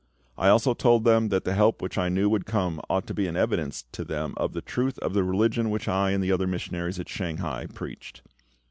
I also told them that the help which I knew would come ought to be an evidence to them of the truth of the religion which I and the other missionaries at Shanghai preached.